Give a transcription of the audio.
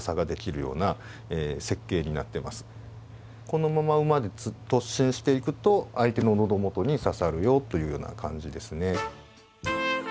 このまま馬で突進していくと相手の喉元に刺さるよというような感じですね。